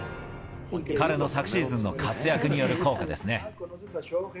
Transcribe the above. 彼の昨シーズンの活躍による効果ですね。